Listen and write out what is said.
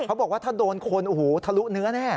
เขาบอกว่าถ้าโดนคนโอ้โหทะลุเนื้อแน่